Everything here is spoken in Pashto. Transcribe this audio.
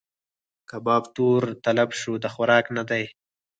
کباب تور تلب شو؛ د خوراک نه دی.